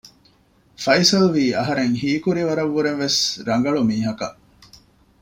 ފައިސަލްވީ އަހަރެން ހީކުރި ވަރަށް ވުރެވެސް ރަނގަޅު މީހަކަށް